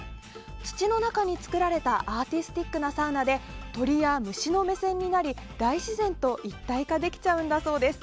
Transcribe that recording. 土の中に作られたアーティスティックなサウナで鳥や虫の目線になり大自然と一体化できちゃうんだそうです。